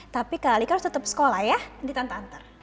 tapi kakak alika harus tetap sekolah ya di tante antar